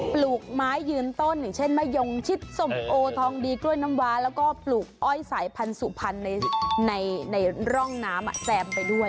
ปลูกไม้ยืนต้นอย่างเช่นมะยงชิดส้มโอทองดีกล้วยน้ำว้าแล้วก็ปลูกอ้อยสายพันธุ์สุพรรณในร่องน้ำแซมไปด้วย